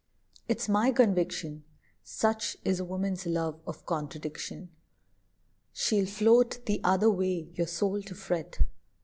It's my conviction, Such is a woman's love of contradiction, She'll float the other way, your soul to fret.